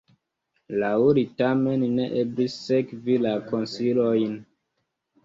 Laŭ li tamen ne eblis sekvi la konsilojn.